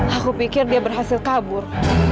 aku pikir dia berhasil kabur